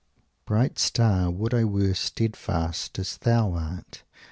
"Bright star, would I were steadfast as thou art!